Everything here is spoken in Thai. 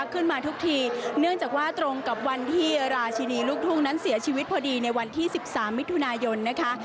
ขึ้นมาทุกทีเนื่องจากว่าตรงกับวันที่ราชินีลูกทุ่งนั้นเสียชีวิตพอดีในวันที่๑๓มิถุนายนนะคะ